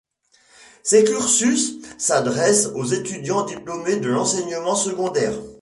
Ces cursus s’adressent aux étudiants diplômés de l’enseignement secondaire.